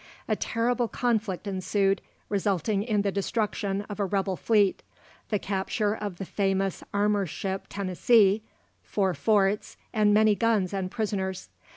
A terrible conflict ensued, resulting in the destruction of a rebel fleet, the capture of the famous armour ship Tennessee, four forts, and many guns and prisoners.